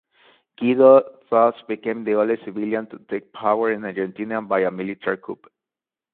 Guido thus became the only civilian to take power in Argentina by military coup.